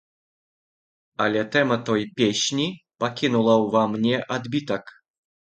Але тэма той песні пакінула ўва мне адбітак.